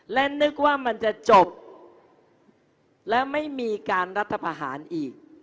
และนึกว่ามันจะจบและไม่มีการรัฐพาหารอีก